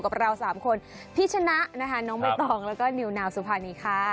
กับเราสามคนพี่ชนะนะคะน้องใบตองแล้วก็นิวนาวสุภานีค่ะ